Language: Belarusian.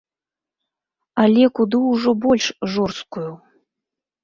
Але куды ўжо больш жорсткую.